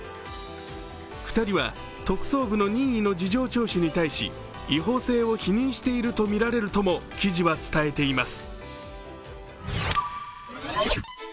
２人は特捜部の任意の事情聴取に対し違法性を否認しているとみられるとも記事は伝えています。